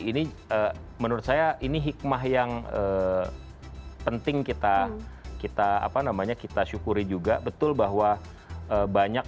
ini menurut saya ini hikmah yang penting kita apa namanya kita syukuri juga betul bahwa banyak